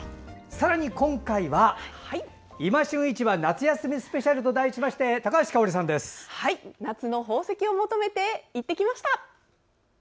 さらに今回は「いま旬市場夏休みスペシャル」と題しまして夏の宝石を求めて行ってきました。